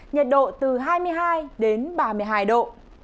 nhiệt độ từ hai mươi hai đến ba mươi hai độ